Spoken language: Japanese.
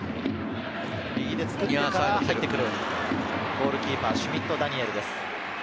ゴールキーパーはシュミット・ダニエルです。